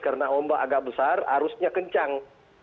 karena ombak agak besar arusnya kencang